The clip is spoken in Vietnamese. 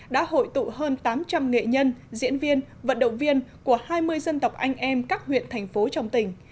đã hội tụ hơn tám trăm linh nghệ nhân diễn viên vận động viên của hai mươi dân tộc anh em các huyện thành phố trong tỉnh